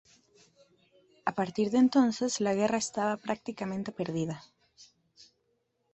A partir de entonces, la guerra estaba prácticamente perdida.